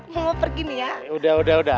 mama pergi nih ya udah udah udah